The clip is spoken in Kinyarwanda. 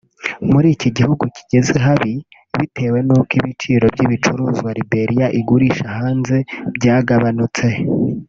muri iki gihugu kigeze habi bitewe nuko ibiciro by'ibicuruzwa Liberia igurisha hanze byagabanutse